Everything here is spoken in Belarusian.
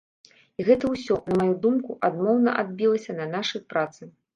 І гэта ўсё, на маю думку, адмоўна адбілася на нашай працы.